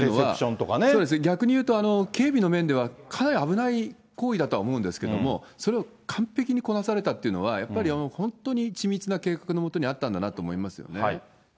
逆に言うと、警備の面ではかなり危ない行為だとは思うんですけれども、それを完璧にこなされたっていうのは、やっぱり本当に緻密な計画の下にあったんだなと思いますよね。